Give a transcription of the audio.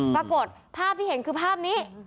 ปรากฏภาพที่เห็นคือภาพนี้